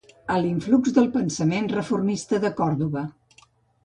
A l'influx del pensament reformista de Còrdova.